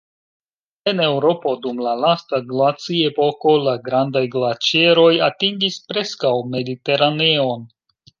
En Eŭropo dum la lasta glaciepoko la grandaj glaĉeroj atingis preskaŭ Mediteraneon.